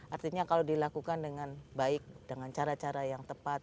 artinya kalau dilakukan dengan baik dengan cara cara yang tepat